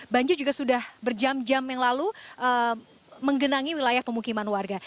banjir juga sudah berjam jam yang lalu menggenangi wilayah pemukiman warga